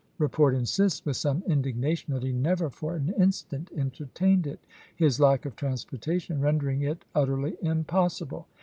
report insists, with some indignation, that he never voi^xxx ^^^^^ instant entertained it, his lack of transporta I'aryi '' tion rendering it utterly impossible.